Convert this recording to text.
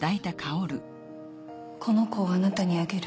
この子をあなたにあげる。